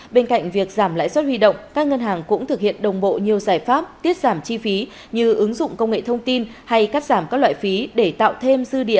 bên cạnh việc giảm lãi suất huy động các ngân hàng cũng thực hiện đồng bộ nhiều giải pháp tiết giảm chi phí như ứng dụng công nghệ thông tin hay cắt giảm các loại phí để tạo thêm